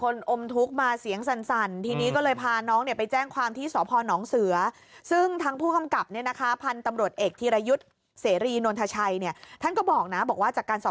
แล้วก็สีสันทอนเหมือนคนอมทุกข์มา